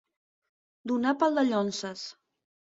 Donar pel dallonses.